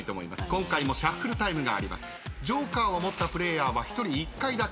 今回もシャッフルタイムがあります。